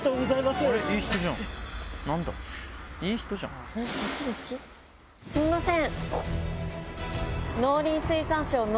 あっ！すみません。